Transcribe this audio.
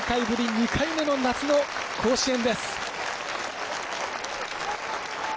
２回目の夏の甲子園です。